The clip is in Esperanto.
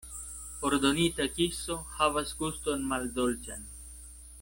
Ordonita kiso havas guston maldolĉan.